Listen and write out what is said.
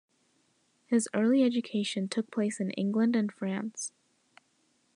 His early education took place in England and France.